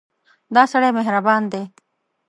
دا سړی مهربان دی.